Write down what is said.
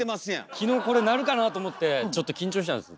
昨日これ鳴るかなあと思ってちょっと緊張してたんです。